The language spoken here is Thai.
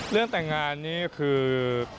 เรื่องแต่งงานนี่คือ